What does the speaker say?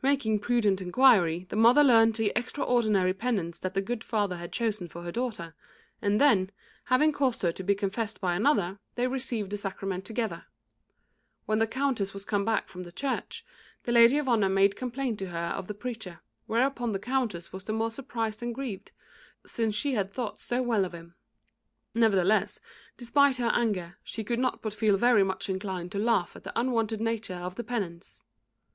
Making prudent inquiry, the mother learnt the extraordinary penance that the good father had chosen for her daughter; and then, having caused her to be confessed by another, they received the sacrament together. When the Countess was come back from the church, the lady of honour made complaint to her of the preacher, whereupon the Countess was the more surprised and grieved, since she had thought so well of him. Nevertheless, despite her anger, she could not but feel very much inclined to laugh at the unwonted nature of the penance.